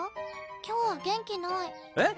今日は元気ないえっ